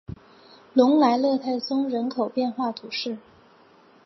隆莱勒泰松人口变化图示